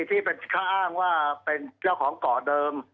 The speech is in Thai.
ที่เขาอ้างว่าเป็นเจ้าของเกาะเดิม